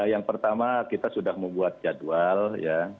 yang pertama kita sudah membuat jadwal ya